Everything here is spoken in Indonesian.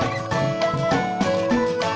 atau tempat pensi ya